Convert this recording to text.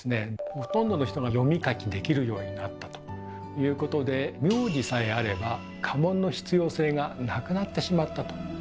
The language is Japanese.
ほとんどの人が読み書きできるようになったということで名字さえあれば家紋の必要性がなくなってしまったと。